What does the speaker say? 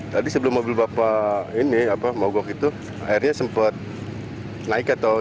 tadi sebelum mobil bapak ini mogok itu airnya sempat naik atau